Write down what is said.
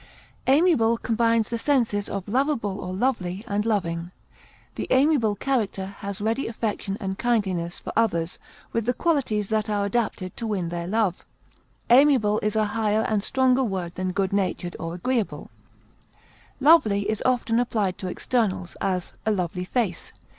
Amiable combines the senses of lovable or lovely and loving; the amiable character has ready affection and kindliness for others, with the qualities that are adapted to win their love; amiable is a higher and stronger word than good natured or agreeable. Lovely is often applied to externals; as, a lovely face.